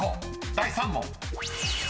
［第３問］